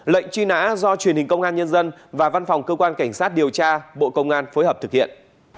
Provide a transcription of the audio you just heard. lệnh truy nã do truyền hình công an nhân dân và văn phòng cơ quan cảnh sát điều tra bộ công an phối hợp thực hiện